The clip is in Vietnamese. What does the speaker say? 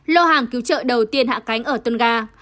lô hàng cứu trợ đầu tiên hạ cánh ở tonga